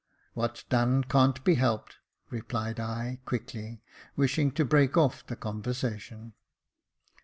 " What's done can't be helped^^ replied I, quickly, wishing to break off the conversation.